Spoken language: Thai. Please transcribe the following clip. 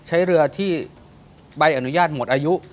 ใช้เรือที่ใบอนุญาตหมดอายุ